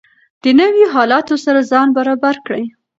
د نویو حالاتو سره ځان برابر کړئ.